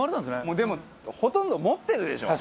もうでもほとんど持ってるでしょ。